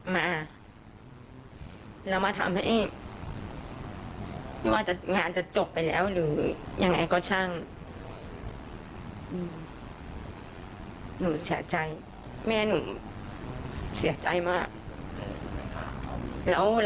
ยังเสียใจมากแล้วเราจัดงานนี้เราเสี่ยงฆ่าไปเท่าไหร่